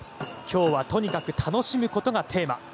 今日はとにかく楽しむことがテーマ。